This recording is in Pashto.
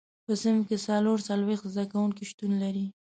په صنف کې څلور څلوېښت زده کوونکي شتون لري.